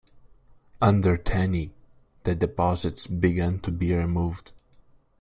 Under Taney, the deposits began to be removed.